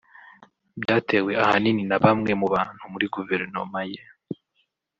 Byatewe ahanini n’abamwe mu bantu muri goverinoma ye